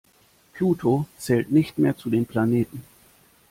Pluto zählt nicht mehr zu den Planeten.